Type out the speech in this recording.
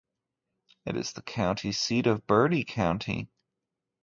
It is the county seat of Bertie County.